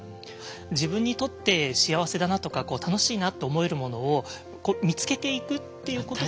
自分にとって幸せだなとか楽しいなと思えるものを見つけていくっていうことが。